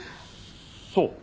そう。